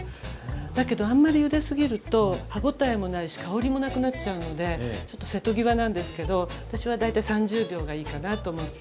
だけどあんまりゆですぎると歯ごたえもないし香りもなくなっちゃうのでちょっと瀬戸際なんですけど私は大体３０秒がいいかなと思って。